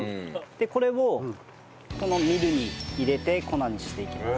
これをこのミルに入れて粉にしていきます。